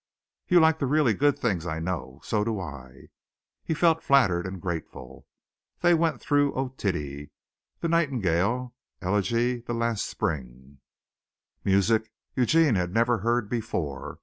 "You like the really good things. I know. So do I." He felt flattered and grateful. They went through "Otidi," "The Nightingale," "Elegie," "The Last Spring" music Eugene had never heard before.